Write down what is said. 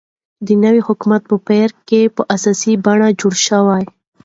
چې د نوي حكومت په پير كې په اساسي بڼه جوړ شو،